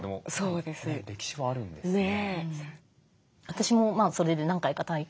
私もそれで何回か体験